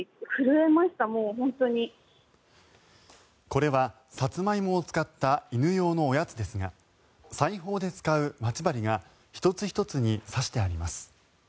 これはサツマイモを使った犬用のおやつですが裁縫で使う待ち針が１つ１つに刺してあります。